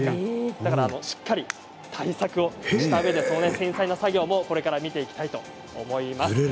だからしっかり対策をしたうえで繊細な作業もこれから見ていきたいと思います。